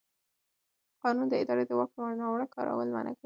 قانون د ادارې د واک ناوړه کارول منع کوي.